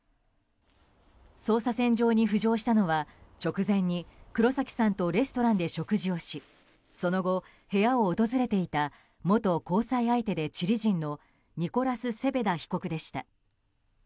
捜査線上に浮上したのは直前に黒崎さんとレストランで食事をしその後、部屋を訪れていた元交際相手でチリ人のニコラス・セペダ被告でした。